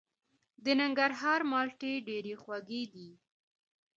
د ننګرهار مالټې ډیرې خوږې دي.